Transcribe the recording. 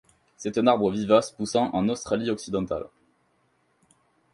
C'est un arbre vivace poussant en Australie-Occidentale.